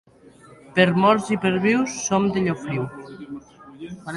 Per morts i per vius, som de Llofriu.